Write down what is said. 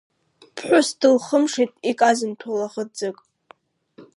Ԥҳәыс дылхымшеит иказымҭәо лаӷырӡык.